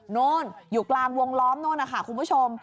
โน่นอยู่กลางวงล้อมโน่นนะคะคุณผู้ชม